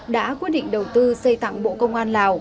đã quyết định đầu tư xây tặng bộ công an lào